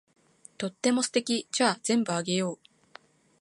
とっても素敵。じゃあ全部あげよう。